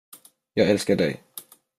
Jag älskar dig.